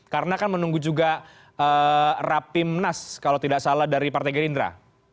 karena kan menunggu juga rapimnas kalau tidak salah dari partai gerindra